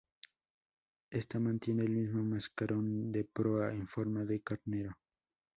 Ésta mantiene el mismo mascarón de proa en forma de carnero.